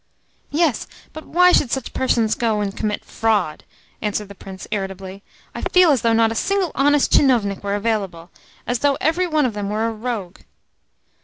"Yes, but why should such persons go and commit fraud?" asked the Prince irritably. "I feel as though not a single honest tchinovnik were available as though every one of them were a rogue."